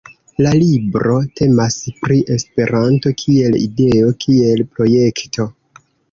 La libro temas pri Esperanto kiel ideo, kiel projekto.